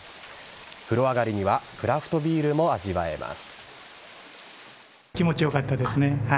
風呂上りにはクラフトビールも味わえます。